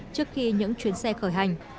trước khi những chuyến xe khởi hành